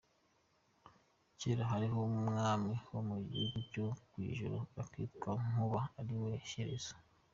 Kera hariho umwami wo mu gihugu cyo kw’i-Juru akitwa Nkuba ariwe Shyerezo.